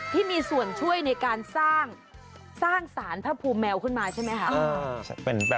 ที่มีส่วนช่วยในการสร้างสารพระภูมิแมวขึ้นมาใช่ไหมคะ